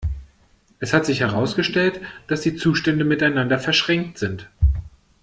Es hat sich herausgestellt, dass die Zustände miteinander verschränkt sind.